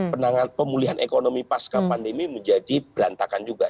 penanganan pemulihan ekonomi pasca pandemi menjadi berantakan juga